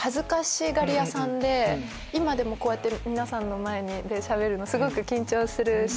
今でもこうやって皆さんの前でしゃべるのすごく緊張するし。